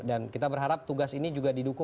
dan kita berharap tugas ini juga diberikan